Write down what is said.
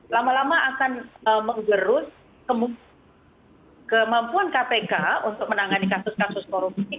lama lama akan menggerus kemampuan kpk untuk menangani kasus kasus korupsi